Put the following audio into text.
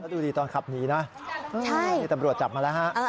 ดูดิตอนขับหนีนะนี่ตำรวจจับมาแล้วฮะ